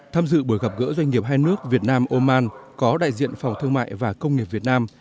tham dự buổi gặp gỡ doanh nghiệp hai nước việt nam oman có đại diện phòng thương mại và công nghiệp việt nam